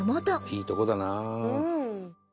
いいとこだな。